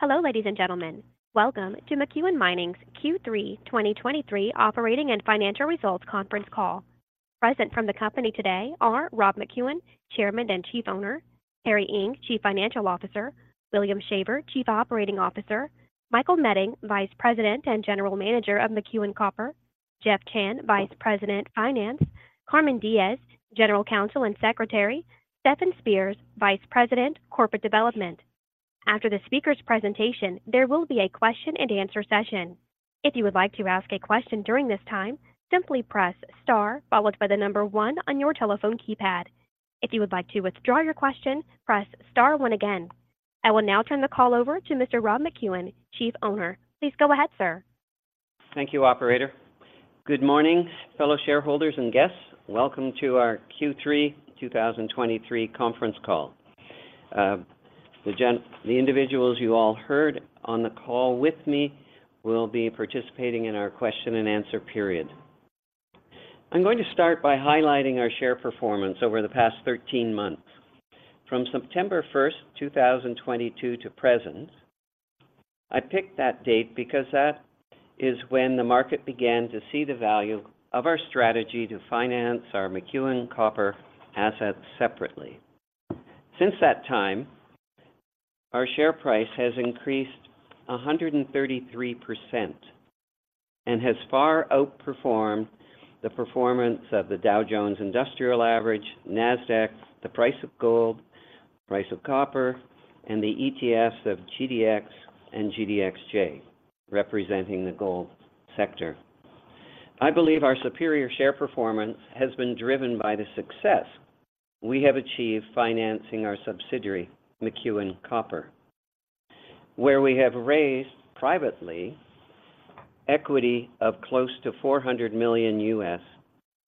Hello, ladies and gentlemen. Welcome to McEwen Mining's Q3 2023 operating and financial results conference call. Present from the company today are Rob McEwen, Chairman and Chief Owner, Perry Ing, Chief Financial Officer, William Shaver, Chief Operating Officer, Michael Meding, Vice President and General Manager of McEwen Copper, Jeff Chan, Vice President, Finance, Carmen Diges, General Counsel and Secretary, Stefan Spears, Vice President, Corporate Development. After the speaker's presentation, there will be a question and answer session. If you would like to ask a question during this time, simply press star followed by the number one on your telephone keypad. If you would like to withdraw your question, press star one again. I will now turn the call over to Mr. Rob McEwen, Chief Owner. Please go ahead, sir. Thank you, operator. Good morning, fellow shareholders and guests. Welcome to our Q3 2023 conference call. The individuals you all heard on the call with me will be participating in our question and answer period. I'm going to start by highlighting our share performance over the past 13 months, from September 1st, 2022 to present. I picked that date because that is when the market began to see the value of our strategy to finance our McEwen Copper assets separately. Since that time, our share price has increased 133% and has far outperformed the performance of the Dow Jones Industrial Average, Nasdaq, the price of gold, price of copper, and the ETFs of GDX and GDXJ, representing the gold sector. I believe our superior share performance has been driven by the success we have achieved financing our subsidiary, McEwen Copper, where we have raised private equity of close to $400 million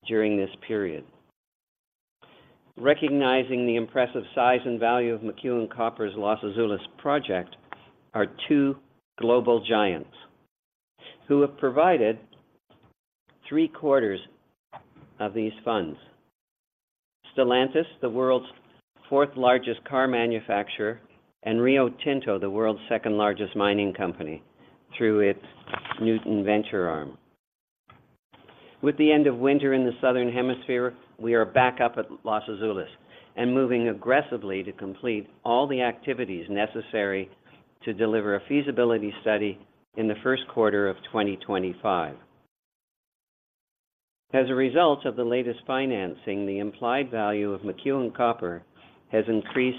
during this period. Recognizing the impressive size and value of McEwen Copper's Los Azules project are two global giants who have provided three-quarters of these funds. Stellantis, the world's fourth-largest car manufacturer, and Rio Tinto, the world's second-largest mining company, through its Nuton venture arm. With the end of winter in the Southern Hemisphere, we are back up at Los Azules and moving aggressively to complete all the activities necessary to deliver a feasibility study in the first quarter of 2025. As a result of the latest financing, the implied value of McEwen Copper has increased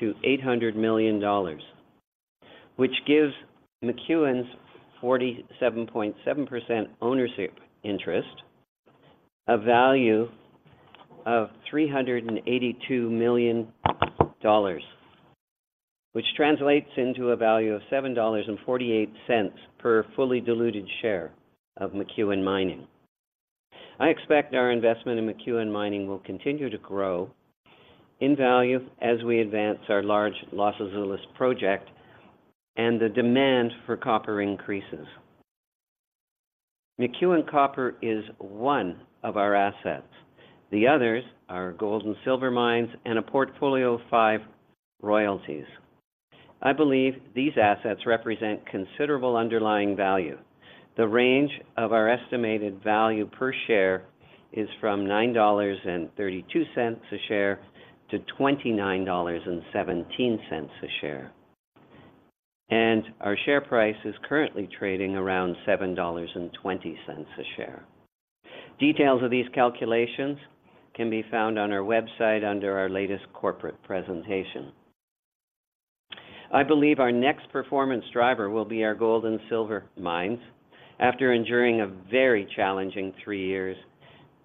to $800 million, which gives McEwen's 47.7% ownership interest a value of $382 million, which translates into a value of $7.48 per fully diluted share of McEwen Mining. I expect our investment in McEwen Mining will continue to grow in value as we advance our large Los Azules project and the demand for copper increases. McEwen Copper is one of our assets. The others are gold and silver mines and a portfolio of five royalties. I believe these assets represent considerable underlying value. The range of our estimated value per share is from $9.32 a share to $29.17 a share, and our share price is currently trading around $7.20 a share. Details of these calculations can be found on our website under our latest corporate presentation. I believe our next performance driver will be our gold and silver mines. After enduring a very challenging three years,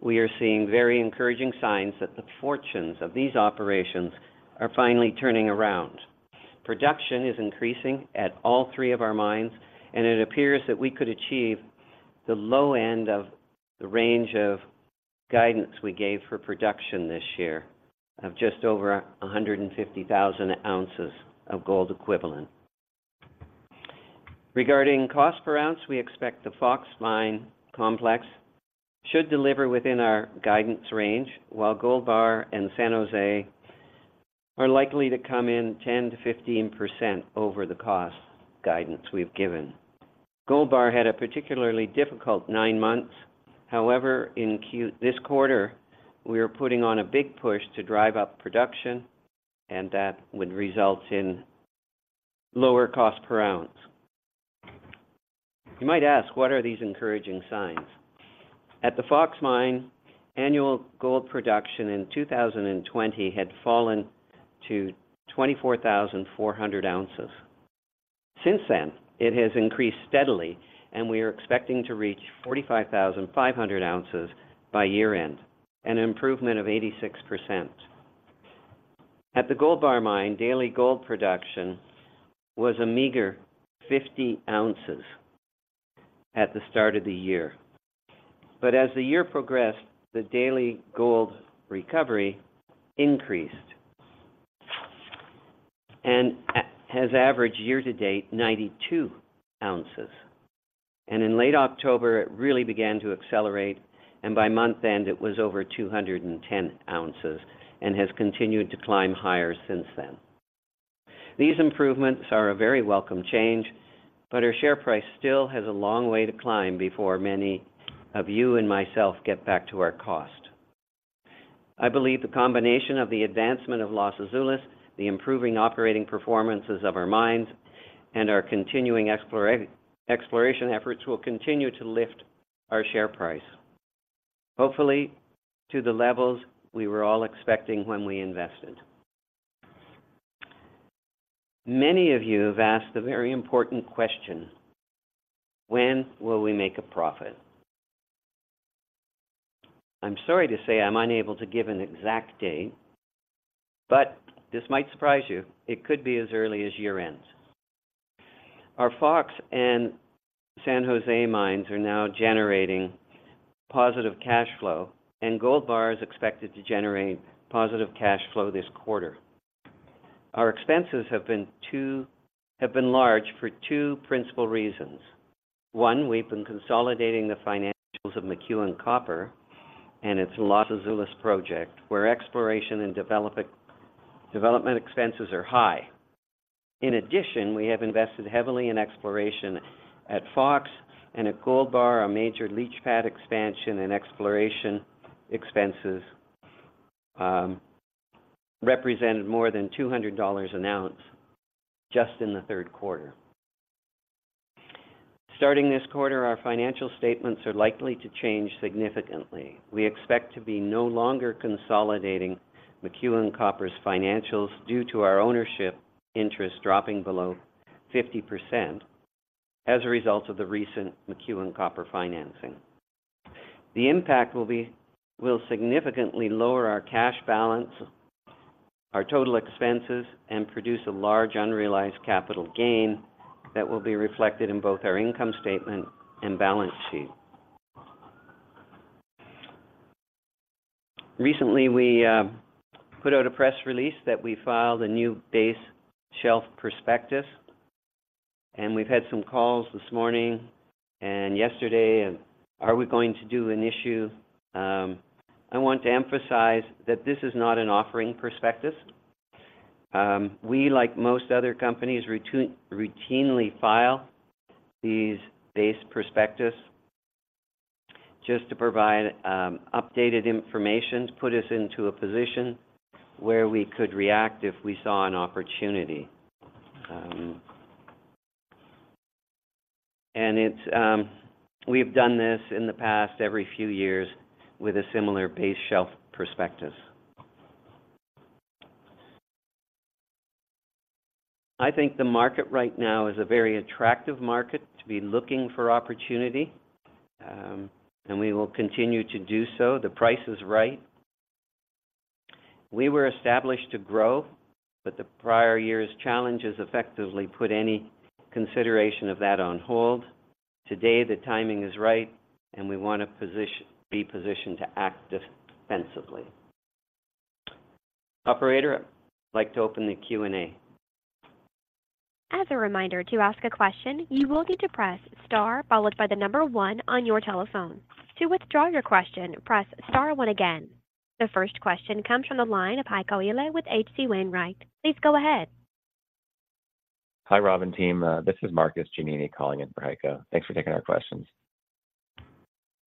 we are seeing very encouraging signs that the fortunes of these operations are finally turning around. Production is increasing at all three of our mines, and it appears that we could achieve the low end of the range of guidance we gave for production this year of just over 150,000 ounces of gold equivalent. Regarding cost per ounce, we expect the Fox Complex should deliver within our guidance range, while Gold Bar and San José are likely to come in 10%-15% over the cost guidance we've given. Gold Bar had a particularly difficult nine months. However, in this quarter, we are putting on a big push to drive up production and that would result in lower cost per ounce. You might ask, what are these encouraging signs? At the Fox Complex, annual gold production in 2020 had fallen to 24,400 ounces. Since then, it has increased steadily, and we are expecting to reach 45,500 ounces by year-end, an improvement of 86%. At the Gold Bar Mine, daily gold production was a meager 50 ounces at the start of the year. But as the year progressed, the daily gold recovery increased and has averaged year to date, 92 ounces. In late October, it really began to accelerate, and by month end, it was over 210 ounces and has continued to climb higher since then. These improvements are a very welcome change, but our share price still has a long way to climb before many of you and myself get back to our cost. I believe the combination of the advancement of Los Azules, the improving operating performances of our mines, and our continuing exploration efforts will continue to lift our share price, hopefully to the levels we were all expecting when we invested. Many of you have asked a very important question: When will we make a profit? I'm sorry to say I'm unable to give an exact date, but this might surprise you, it could be as early as year-end. Our Fox and San José mines are now generating positive cash flow, and Gold Bar is expected to generate positive cash flow this quarter. Our expenses have been large for two principal reasons. One, we've been consolidating the financials of McEwen Copper and its Los Azules project, where exploration and development expenses are high. In addition, we have invested heavily in exploration at Fox and at Gold Bar, a major leach pad expansion and exploration expenses represented more than $200 an ounce just in the third quarter. Starting this quarter, our financial statements are likely to change significantly. We expect to be no longer consolidating McEwen Copper's financials due to our ownership interest dropping below 50% as a result of the recent McEwen Copper financing. The impact will significantly lower our cash balance, our total expenses, and produce a large unrealized capital gain that will be reflected in both our income statement and balance sheet. Recently, we put out a press release that we filed a new base shelf prospectus, and we've had some calls this morning and yesterday, and are we going to do an issue? I want to emphasize that this is not an offering prospectus. We, like most other companies, routinely file these base prospectus just to provide updated information to put us into a position where we could react if we saw an opportunity. And it's. We've done this in the past, every few years, with a similar Base Shelf Prospectus. I think the market right now is a very attractive market to be looking for opportunity, and we will continue to do so. The price is right. We were established to grow, but the prior year's challenges effectively put any consideration of that on hold. Today, the timing is right, and we want to be positioned to act defensively. Operator, I'd like to open the Q&A. As a reminder, to ask a question, you will need to press Star, followed by the number one on your telephone. To withdraw your question, press Star one again. The first question comes from the line of Heiko Ihle with H.C. Wainwright. Please go ahead. Hi, Rob and team. This is Marcus Giannini calling in for Heiko. Thanks for taking our questions.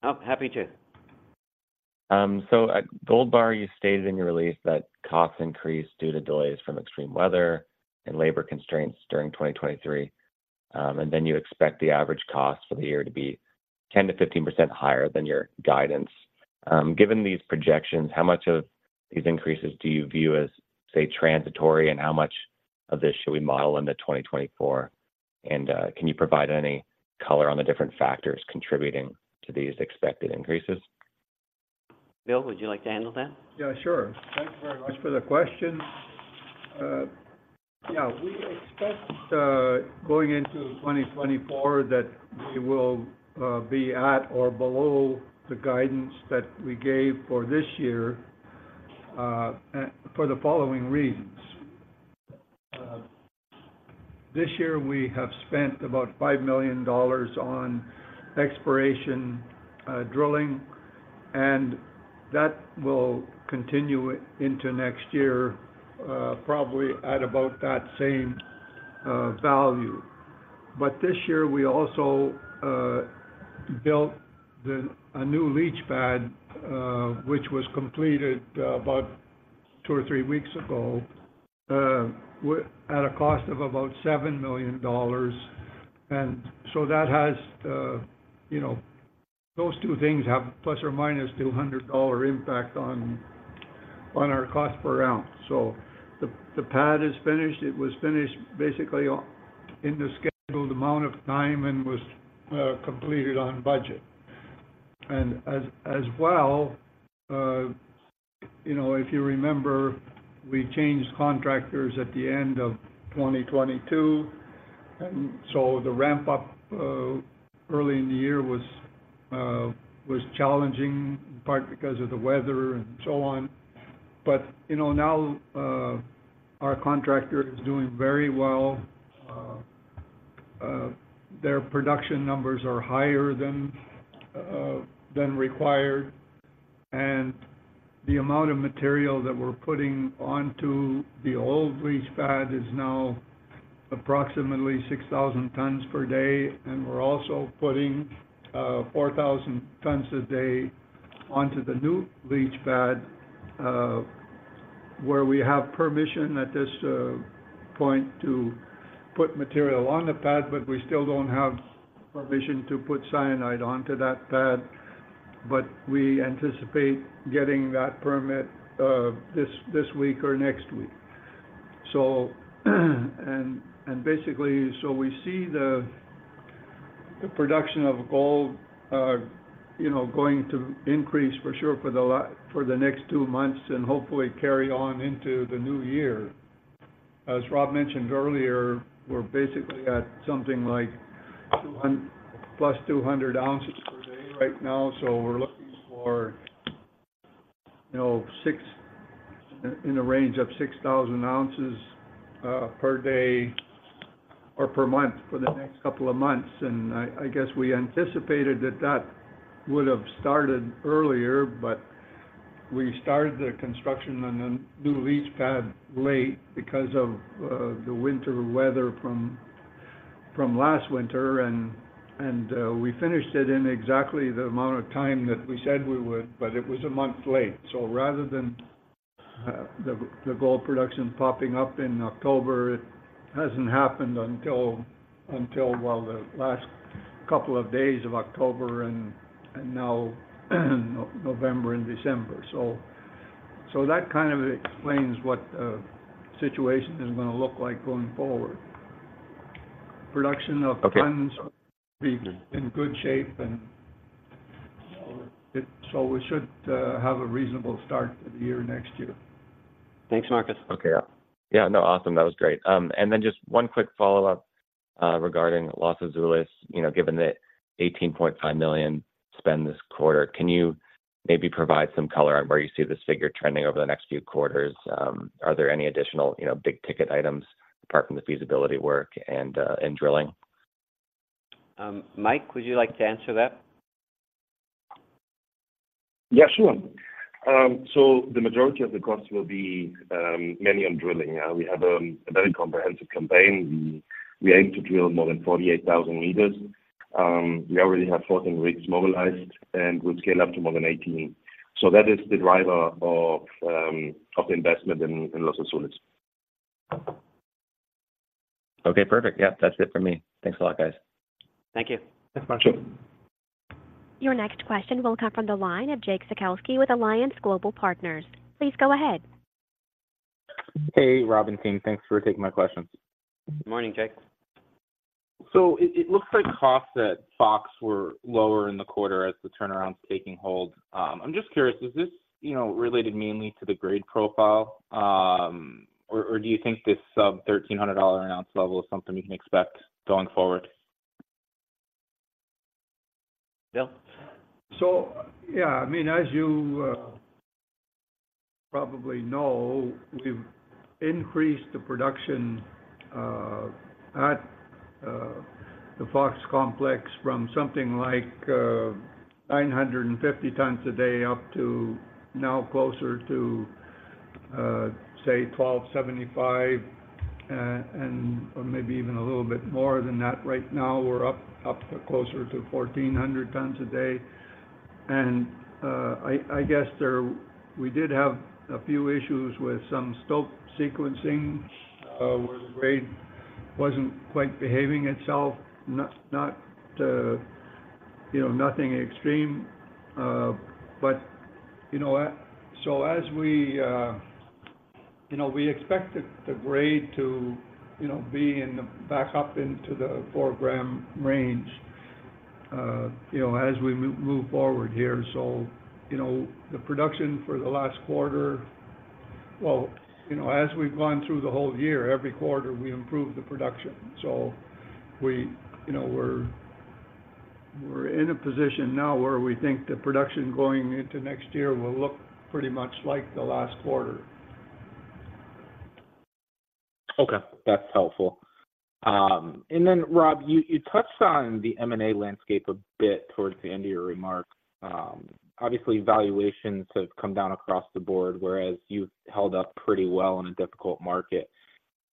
Oh, happy to. So at Gold Bar, you stated in your release that costs increased due to delays from extreme weather and labor constraints during 2023, and then you expect the average cost for the year to be 10%-15% higher than your guidance. Given these projections, how much of these increases do you view as, say, transitory, and how much of this should we model into 2024? And, can you provide any color on the different factors contributing to these expected increases? Bill, would you like to handle that? Yeah, sure. Thank you very much for the question. Yeah, we expect, going into 2024, that we will be at or below the guidance that we gave for this year, for the following reasons. This year, we have spent about $5 million on exploration, drilling, and that will continue into next year, probably at about that same value. But this year, we also built the new leach pad, which was completed about two or three weeks ago, at a cost of about $7 million. And so that has, you know, those two things have ±$200 impact on our cost per ounce. So the pad is finished. It was finished basically in the scheduled amount of time and was completed on budget. As well, you know, if you remember, we changed contractors at the end of 2022, and so the ramp up early in the year was challenging, in part because of the weather and so on. But, you know, now our contractor is doing very well. Their production numbers are higher than required, and the amount of material that we're putting onto the old leach pad is now approximately 6,000 tons per day, and we're also putting 4,000 tons a day onto the new leach pad, where we have permission at this point to put material on the pad, but we still don't have permission to put cyanide onto that pad. But we anticipate getting that permit this week or next week. Basically, we see the production of gold, you know, going to increase for sure for the next two months, and hopefully carry on into the new year. As Rob mentioned earlier, we're basically at something like 200+ ounces per day right now, so we're looking for, you know, in the range of 6,000 ounces per day or per month for the next couple of months. And I guess we anticipated that that would have started earlier, but we started the construction on the new leach pad late because of the winter weather from last winter, and we finished it in exactly the amount of time that we said we would, but it was a month late. So rather than the gold production popping up in October, it hasn't happened until well the last couple of days of October and now November and December. So that kind of explains what the situation is gonna look like going forward. Production of- Okay tons will be in good shape, and so we should have a reasonable start to the year next year. Thanks, Marcus. Okay. Yeah, no, awesome. That was great. And then just one quick follow-up regarding Los Azules. You know, given the $18.5 million spend this quarter, can you maybe provide some color on where you see this figure trending over the next few quarters? Are there any additional, you know, big-ticket items apart from the feasibility work and and drilling? Mike, would you like to answer that? Yeah, sure. So the majority of the costs will be mainly on drilling. We have a very comprehensive campaign. We aim to drill more than 48,000 meters. We already have 14 rigs mobilized, and we'll scale up to more than 18. So that is the driver of the investment in Los Azules. Okay, perfect. Yeah, that's it for me. Thanks a lot, guys. Thank you. Thanks, Marcus. Sure. Your next question will come from the line of Jake Sekelsky with Alliance Global Partners. Please go ahead. Hey, Rob and team. Thanks for taking my questions. Good morning, Jake. So it looks like costs at Fox were lower in the quarter as the turnaround's taking hold. I'm just curious, is this, you know, related mainly to the grade profile? Or do you think this sub-$1,300 an ounce level is something we can expect going forward? Bill? So, yeah, I mean, as you probably know, we've increased the production at the Fox Complex from something like 950 tons a day up to now closer to, say, 1,275 and/or maybe even a little bit more than that. Right now, we're up to closer to 1,400 tons a day. And I guess there we did have a few issues with some stope sequencing where the grade wasn't quite behaving itself. Not you know nothing extreme. But you know so as we, you know, we expect the grade to you know be back up into the 4-gram range you know as we move forward here. So you know the production for the last quarter. Well, you know, as we've gone through the whole year, every quarter, we improved the production. So we, you know, we're, we're in a position now where we think the production going into next year will look pretty much like the last quarter. Okay, that's helpful. And then, Rob, you touched on the M&A landscape a bit towards the end of your remarks. Obviously, valuations have come down across the board, whereas you've held up pretty well in a difficult market.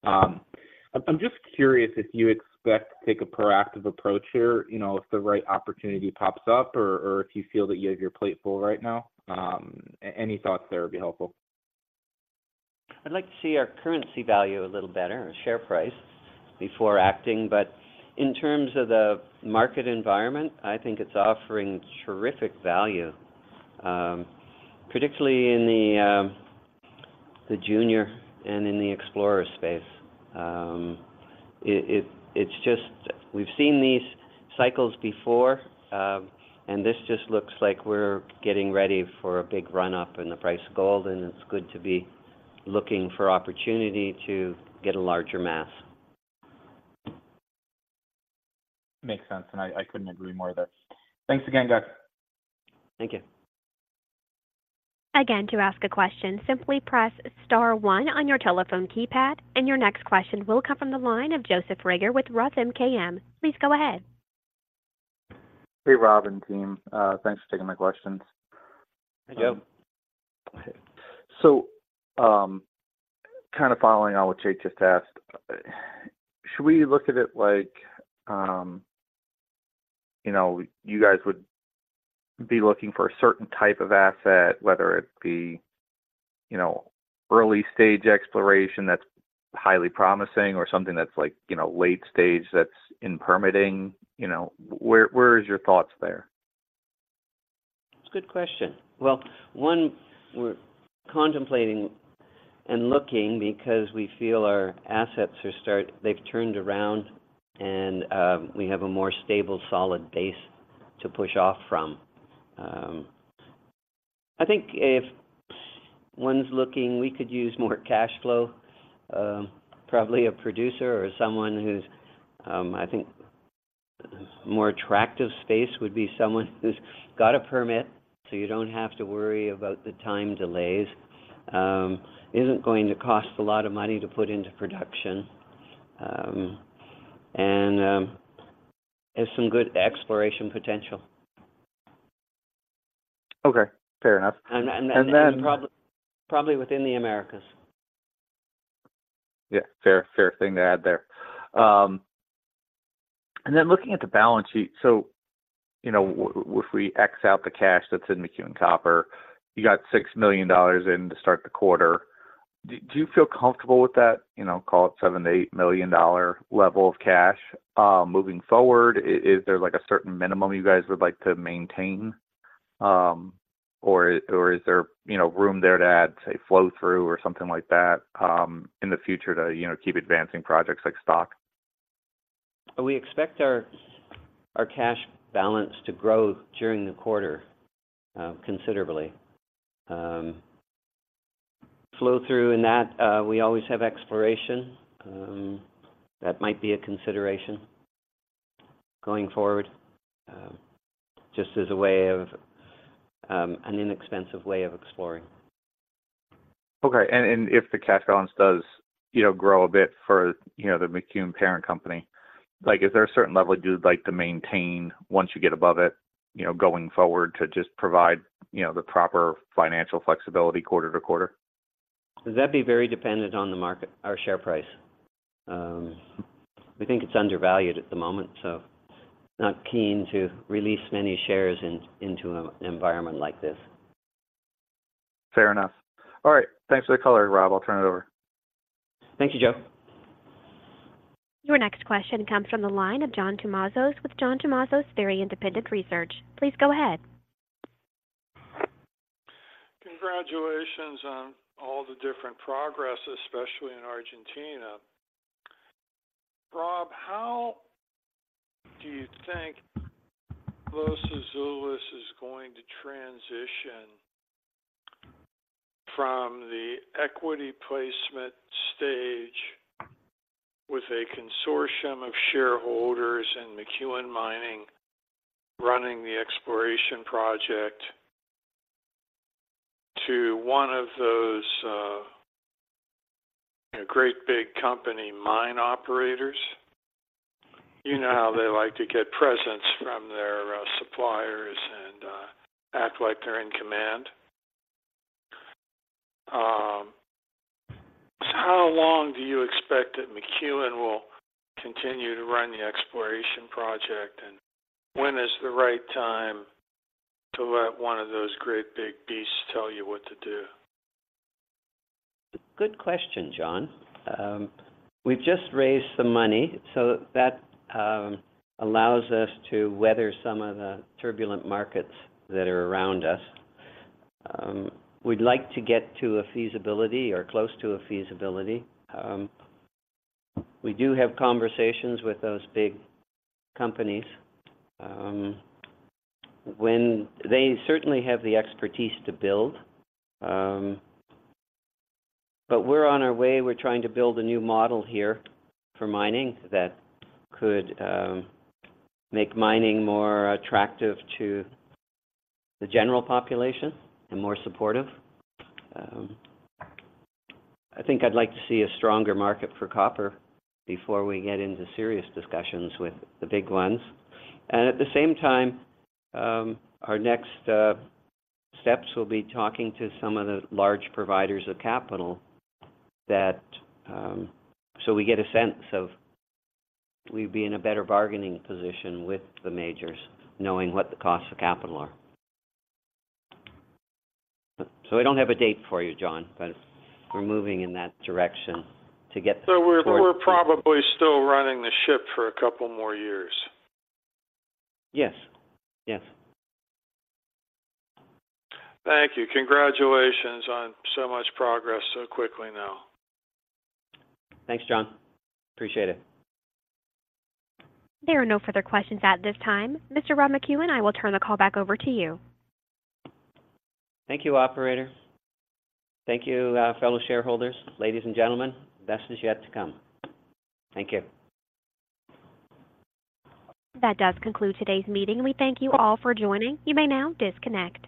I'm just curious if you expect to take a proactive approach here, you know, if the right opportunity pops up or if you feel that you have your plate full right now. Any thoughts there would be helpful. I'd like to see our currency value a little better, our share price, before acting. But in terms of the market environment, I think it's offering terrific value, particularly in the junior and in the explorer space. It's just. We've seen these cycles before, and this just looks like we're getting ready for a big run-up in the price of gold, and it's good to be looking for opportunity to get a larger mass. Makes sense, and I couldn't agree more there. Thanks again, guys. Thank you. Again, to ask a question, simply press star one on your telephone keypad. Your next question will come from the line of Joseph Reagor with Roth MKM. Please go ahead. Hey, Rob and team. Thanks for taking my questions. Hey, Joe. Okay. So, kind of following on what Jake just asked, should we look at it like, you know, you guys would be looking for a certain type of asset, whether it be, you know, early-stage exploration that's highly promising or something that's like, you know, late stage that's in permitting? You know, where, where is your thoughts there? It's a good question. Well, one, we're contemplating and looking because we feel our assets are—they've turned around, and we have a more stable, solid base to push off from. I think if one's looking, we could use more cash flow. Probably a producer or someone who's, I think, more attractive space would be someone who's got a permit, so you don't have to worry about the time delays. Isn't going to cost a lot of money to put into production, and has some good exploration potential. Okay, fair enough. And then- And probably within the Americas. Yeah, fair. Fair thing to add there. And then looking at the balance sheet, so, you know, if we X out the cash that's in McEwen Copper, you got $6 million to start the quarter. Do you feel comfortable with that? You know, call it $7 million-$8 million level of cash, moving forward. Is there, like, a certain minimum you guys would like to maintain, or, or is there, you know, room there to add, say, flow-through or something like that, in the future to, you know, keep advancing projects like Stock? We expect our cash balance to grow during the quarter considerably. Flow-through in that we always have exploration that might be a consideration going forward just as a way of an inexpensive way of exploring. Okay, and if the cash balance does, you know, grow a bit for, you know, the McEwen parent company, like, is there a certain level you'd like to maintain once you get above it, you know, going forward to just provide, you know, the proper financial flexibility quarter to quarter? That'd be very dependent on the market, our share price. We think it's undervalued at the moment, so not keen to release many shares into an environment like this. Fair enough. All right. Thanks for the color, Rob. I'll turn it over. Thank you, Joe. Your next question comes from the line of John Tumazos with John Tumazos Very Independent Research. Please go ahead. Congratulations on all the different progress, especially in Argentina. Rob, how do you think Los Azules is going to transition from the equity placement stage with a consortium of shareholders and McEwen Mining running the exploration project to one of those, great big company mine operators? You know how they like to get presents from their, suppliers and, act like they're in command. So how long do you expect that McEwen will continue to run the exploration project, and when is the right time to let one of those great big beasts tell you what to do? Good question, John. We've just raised some money, so that allows us to weather some of the turbulent markets that are around us. We'd like to get to a feasibility or close to a feasibility. We do have conversations with those big companies. They certainly have the expertise to build, but we're on our way. We're trying to build a new model here for mining that could make mining more attractive to the general population and more supportive. I think I'd like to see a stronger market for copper before we get into serious discussions with the big ones. At the same time, our next steps will be talking to some of the large providers of capital that so we get a sense of we'd be in a better bargaining position with the majors, knowing what the costs of capital are. So I don't have a date for you, John, but we're moving in that direction to get the- So we're probably still running the ship for a couple more years? Yes. Yes. Thank you. Congratulations on so much progress so quickly now. Thanks, John. Appreciate it. There are no further questions at this time. Mr. Rob McEwen, I will turn the call back over to you. Thank you, operator. Thank you, fellow shareholders. Ladies and gentlemen, the best is yet to come. Thank you. That does conclude today's meeting. We thank you all for joining. You may now disconnect.